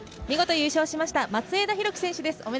見事、優勝しました松枝博輝選手です。